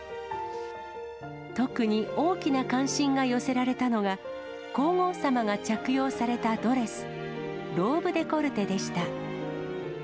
特に大きな関心が寄せられたのが、皇后さまが着用されたドレス、ローブ・デコルテでした。